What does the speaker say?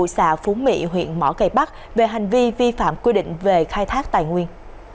đã phú mị huyện mỏ cầy bắc về hành vi vi phạm quy định về khai thác tài nguyên